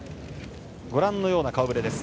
ご覧のような顔ぶれです。